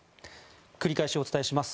繰り返しお伝えします。